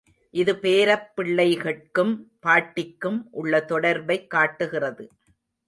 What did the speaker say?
இது பேரப்பிள்ளைகட்கும் பாட்டிக்கும் உள்ள தொடர்பைக் காட்டுகிறது.